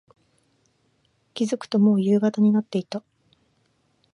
気付くと、もう夕方になっていた。